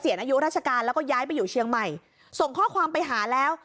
อายุราชการแล้วก็ย้ายไปอยู่เชียงใหม่ส่งข้อความไปหาแล้ว